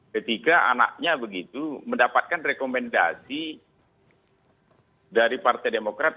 ketika anaknya begitu mendapatkan rekomendasi dari partai demokrat